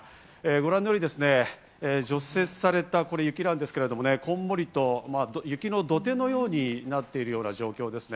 ご覧のように除雪された雪なんですけれどもね、こんもりと雪の土手のようになっているような状況です。